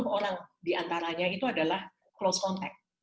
lima puluh orang diantaranya itu adalah close contact